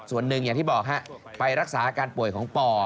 ส่วนหนึ่งอย่างที่บอกฮะไปรักษาอาการป่วยของป่อ